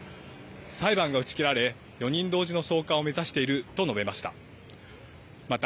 裁判が打ち切られ、４人同時の送還を目指していると述べました。